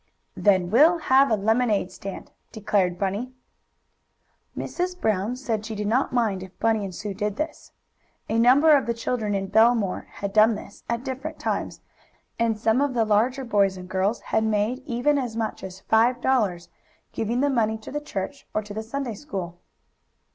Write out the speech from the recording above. "Then we'll have a lemonade stand," decided Bunny. Mrs. Brown said she did not mind if Bunny and Sue did this. A number of the children in Bellemere had done this, at different times, and some of the larger boys and girls had made even as much as five dollars, giving the money to the church, or to the Sunday school.